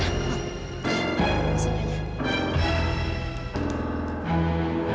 iya disini aja